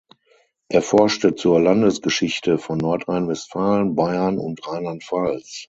Er forschte zur Landesgeschichte von Nordrhein-Westfalen, Bayern und Rheinland-Pfalz.